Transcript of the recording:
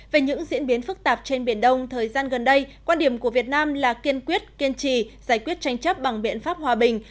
về những diễn biến phức tạp trên biển đông thời gian gần đây quan điểm của việt nam là kiên quyết kiên trì giải quyết tranh chấp bằng biện pháp hòa bình